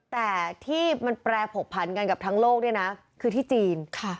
แต่ที่มันแปรผกผันกันกับทั้งโลกเนี่ยนะคือที่จีน